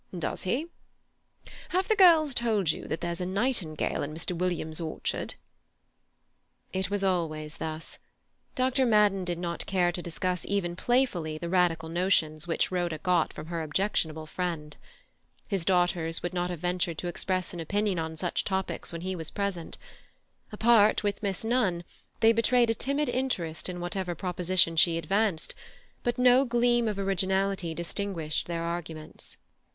"Does he? Have the girls told you that there's a nightingale in Mr. Williams's orchard?" It was always thus. Dr. Madden did not care to discuss even playfully the radical notions which Rhoda got from her objectionable friend. His daughters would not have ventured to express an opinion on such topics when he was present; apart with Miss Nunn, they betrayed a timid interest in whatever proposition she advanced, but no gleam of originality distinguished their arguments.